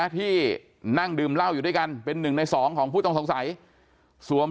ที่นั่งดื่มเหล้าอยู่ด้วยกันเป็นหนึ่งในสองของผู้ต้องสงสัยสวม